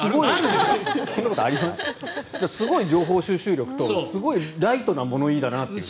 すごい情報収集力とすごいライトな物言いだなという。